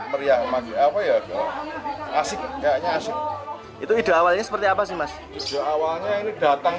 meriah magi apa ya asyik kayaknya asyik itu ide awalnya seperti apa sih mas awalnya ini datang